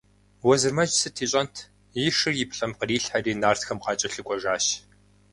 Уэзырмэдж сыт ищӏэнт – и шыр и плӏэм кърилъхьэри, нартхэм къакӏэлъыкӏуэжащ.